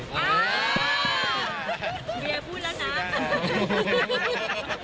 เมียพูดแล้วนะ